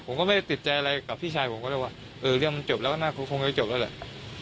ผมก็ไม่ติดใจอะไรกับพี่ชายผมก็เลยว่าเออเรื่องมันจบแล้วก็น่าคงจะจบแล้วแหละ